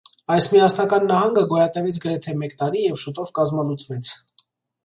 Այս միասնական նահանգը գոյատևեց գրեթե մեկ տարի և շուտով կազմալուծվեց։